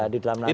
di dalam nanti